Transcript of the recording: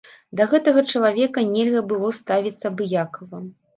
Да гэтага чалавека нельга было ставіцца абыякава.